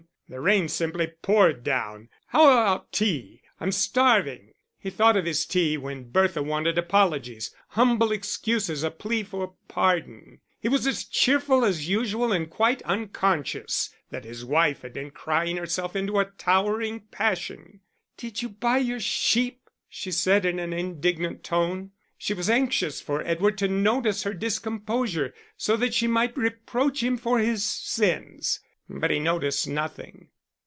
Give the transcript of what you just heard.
The rain simply poured down. How about tea? I'm starving." He thought of his tea when Bertha wanted apologies, humble excuses, a plea for pardon. He was as cheerful as usual and quite unconscious that his wife had been crying herself into a towering passion. "Did you buy your sheep?" she said, in an indignant tone. She was anxious for Edward to notice her discomposure, so that she might reproach him for his sins; but he noticed nothing.